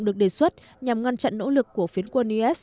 được đề xuất nhằm ngăn chặn nỗ lực của phiến quân is